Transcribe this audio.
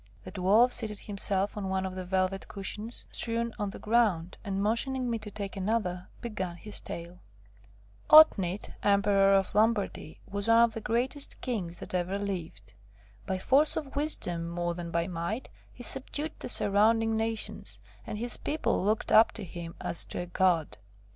The Dwarf seated himself on one of the velvet cushions strewn on the ground, and motioning me to take another, began his tale. Dwarf Elberich and the Emperor. "Otnit, Emperor of Lombardy, was one of the greatest kings that ever lived. By force of wisdom more than by might, he subdued the surrounding nations, and his people looked up to him as to a god.